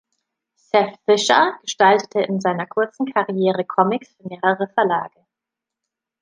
Seth Fisher gestaltete in seiner kurzen Karriere Comics für mehrere Verlage.